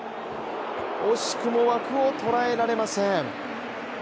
惜しくも枠を捉えられません。